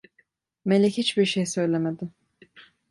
Melek hiçbir şey söylemedi.